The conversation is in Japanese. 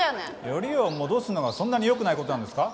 よりを戻すのがそんなに良くない事なんですか？